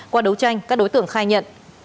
qua đấu tranh các đối tượng khai nhận